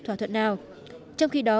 thỏa thuận nào trong khi đó